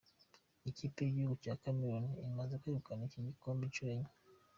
Ikipe y'igihugu cya Cameroon imaze kwegukana iki gikombe inshuro enye.